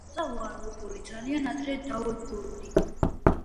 პაწაწა ვარ ობოლი ძალიან ადრე დავობლდი.